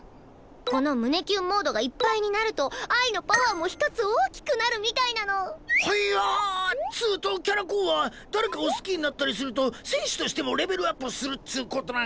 この「胸キュンモード」がいっぱいになると愛のパワーも１つ大きくなるみたいなの。はいやぁつとキャラ公は誰かを好きになったりすると戦士としてもレベルアップするっつ事なんかい？